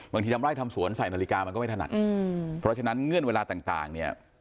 ทำไร่ทำสวนใส่นาฬิกามันก็ไม่ถนัดเพราะฉะนั้นเงื่อนเวลาต่างเนี่ย